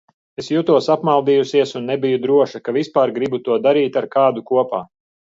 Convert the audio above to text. Es jutos apmaldījusies un nebiju droša, ka vispār gribu to darīt ar kādu kopā.